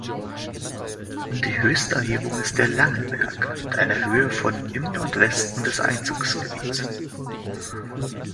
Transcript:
Die höchste Erhebung ist der "Langenberg" mit einer Höhe von im Nordwesten des Einzugsgebiets.